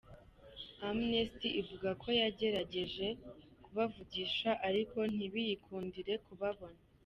Amnesty ivuga ko yagerageje kubavugisha ariko ntibiyikundire kubabona.